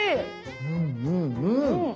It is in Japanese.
うんうんうん！